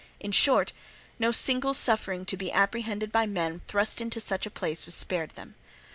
In short, no single suffering to be apprehended by men thrust into such a place was spared them.